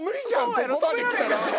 ここまできたら。